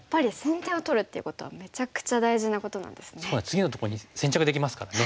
次のとこに先着できますからね